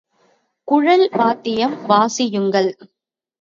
குழல் வாத்தியம் வாசியுங்கள்!